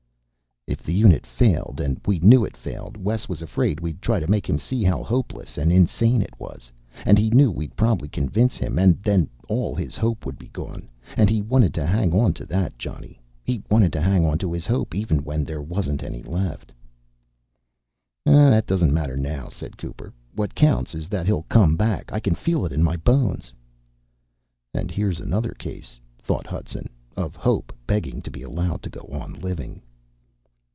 "If the unit failed and we knew it failed, Wes was afraid we'd try to make him see how hopeless and insane it was. And he knew we'd probably convince him and then all his hope would be gone. And he wanted to hang onto that, Johnny. He wanted to hang onto his hope even when there wasn't any left." "That doesn't matter now," said Cooper. "What counts is that he'll come back. I can feel it in my bones." And here's another case, thought Hudson, of hope begging to be allowed to go on living.